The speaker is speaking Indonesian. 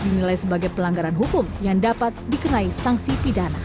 dinilai sebagai pelanggaran hukum yang dapat dikenai sanksi pidana